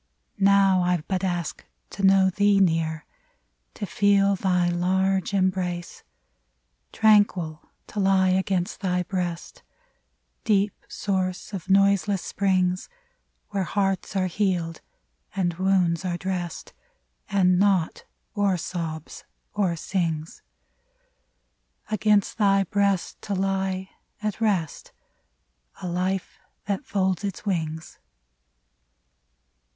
152 AT DUSK Now I but ask to know thee near, To feel thy large embrace ! Tranquil to lie against thy breast — Deep source of noiseless springs, Where hearts are healed, and wounds are dressed. And naught or sobs or sings : Against thy breast to lie at rest — A hfe that folds its wings.